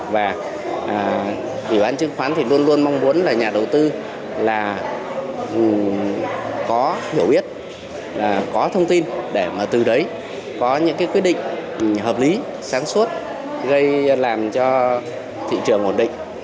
và dự án chứng khoán luôn luôn mong muốn nhà đầu tư có hiểu biết có thông tin để từ đấy có những quyết định hợp lý sáng suốt gây làm cho thị trường ổn định